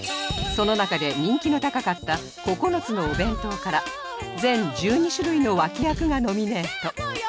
その中で人気の高かった９つのお弁当から全１２種類の脇役がノミネート